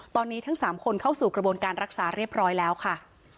ตอนนี้ทั้ง๓คนเข้าสู่กระบวนการรักษาเรียบร้อยแล้วค่ะ